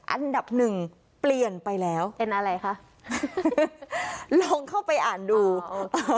อันดับหนึ่งเปลี่ยนไปแล้วเป็นอะไรคะลองเข้าไปอ่านดูเออ